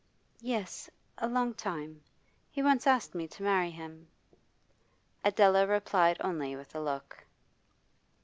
'Yes, a long time. He once asked me to marry him.' Adela replied only with a look.